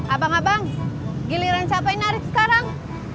abang abang giliran siapa ini hari itu sekarang